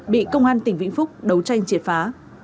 bị công an tỉnh vĩnh phúc đấu tranh triệt phá